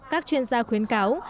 các chuyên gia khuyến cáo